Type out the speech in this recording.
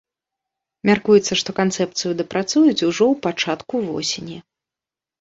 Мяркуецца, што канцэпцыю дапрацуюць ужо ў пачатку восені.